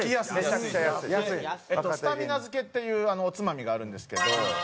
あとスタミナ漬っていうおつまみがあるんですけどまあ２５０円。